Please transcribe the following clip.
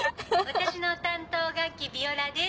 私の担当楽器ヴィオラです。